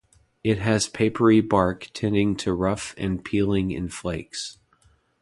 It has papery bark tending to rough and peeling in flakes.